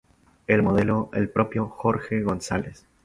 El modelo, el propio Jorge González.